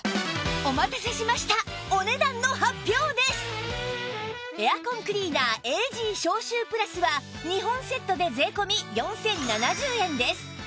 お待たせしましたエアコンクリーナー ＡＧ 消臭プラスは２本セットで税込４０７０円です